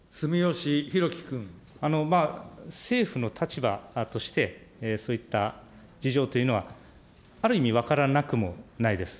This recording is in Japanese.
政府の立場として、そういった事情というのはある意味分からなくもないです。